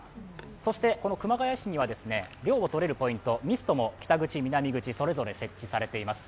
そして、この熊谷市には涼を取れるポイントミストも北口、南口、それぞれ設置されています。